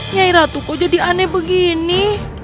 nyai ratu kok jadi aneh begini